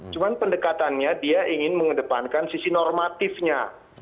cuma pendekatannya dia ingin mengedepankan sisi normatifnya